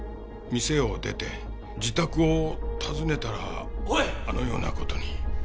店を出て自宅を訪ねたらあのような事に。